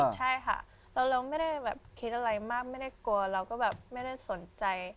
ใช่ค่ะเราไม่ได้แบบคิดอะไรมากไม่ได้กลัวเราก็แบบไม่ได้สนใจ